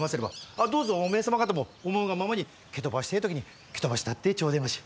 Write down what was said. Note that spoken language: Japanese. あっどうぞおめえ様方も思うがままに蹴飛ばしてえ時に蹴飛ばしたってちょでまし！